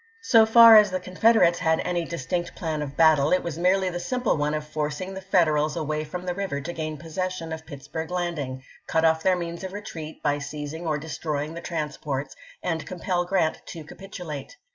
So far as the Confederates had any distinct plan of battle, it was merely the simple one of forcing the Federals away from the river to gain posses sion of Pittsburg Landing, cut off their means of retreat by seizing or destroying the transports, and compel Grant to capitulate.